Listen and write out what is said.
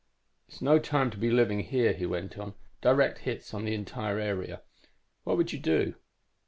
"'It's no time to be living here,' he went on. 'Direct hits on the entire area. What would you do?'